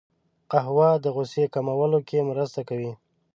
قهوه د غوسې کمولو کې مرسته کوي